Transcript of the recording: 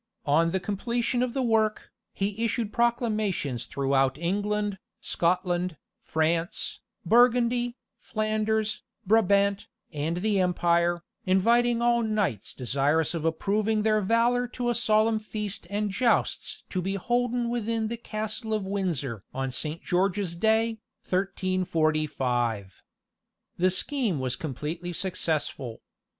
On the completion of the work, he issued proclamations throughout England, Scotland, France, Burgundy, Flanders, Brabant, and the Empire, inviting all knights desirous of approving their valour to a solemn feast and jousts to be holden within the castle of Windsor on Saint George's Day, 1345. The scheme was completely successful.